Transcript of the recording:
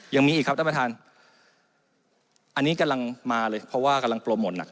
ยังมีอีกครับท่านประธานอันนี้กำลังมาเลยเพราะว่ากำลังโปรโมทหนัก